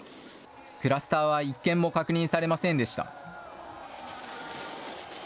クラスターは１件も確認されませんでした。